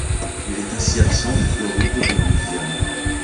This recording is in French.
Il est ainsi absent de Floride et de Louisiane.